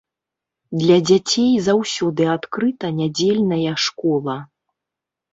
Для дзяцей заўсёды адкрыта нядзельная школа.